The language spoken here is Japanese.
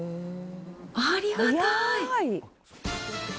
ありがたい。